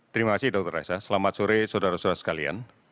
terima kasih dokter reza selamat sore saudara saudara sekalian